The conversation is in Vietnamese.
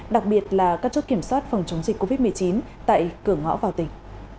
đặc biệt là các chốt kiểm soát phòng chống dịch covid một mươi chín tại cửa ngõ vào tỉnh